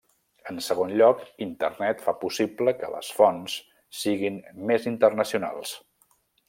En segon lloc, Internet fa possible que les fonts siguin més internacionals.